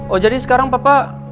oh jadi sekarang papa